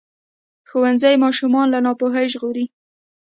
ښوونځی ماشومان له ناپوهۍ ژغوري.